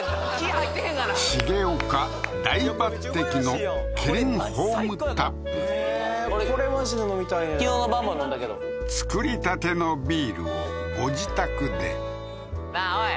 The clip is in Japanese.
入ってへんがな重岡大抜擢のキリンホームタップへえーこれマジで飲みたいねん昨日の晩も飲んだけどつくりたてのビールをご自宅でなあおい